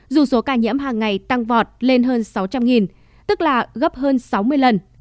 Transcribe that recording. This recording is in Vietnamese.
dù số ca nhiễm hàng ngày tăng vọt lên hơn sáu trăm linh tức là gấp hơn sáu mươi lần